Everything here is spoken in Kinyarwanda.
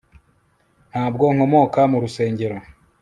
Ntabwo nkomoka mu rusengero